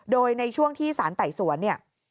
โดยในช่วงที่ศาลไต่สวน